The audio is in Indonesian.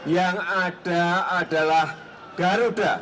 yang ada adalah garuda